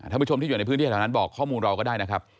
ผู้ชมที่อยู่ในพื้นที่แถวนั้นบอกข้อมูลเราก็ได้นะครับ